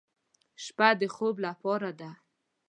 شپه د خوب لپاره ده.